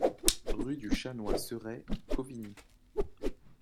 Rue du Chanoine Seret, Cauvigny